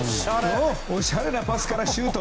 おしゃれなパスからシュート。